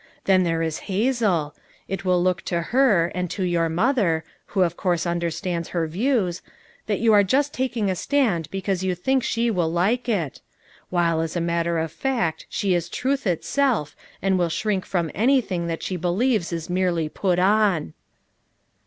Then there is Hazel ; it will look to her, and to your mother, who of course understands her views, that you are just taking a stand because you think she will like it; while as a matter of fact she is FOUR MOTHERS AT CHAUTAUQUA 359 truth itself and will shrink from anything that she believes is merely put on."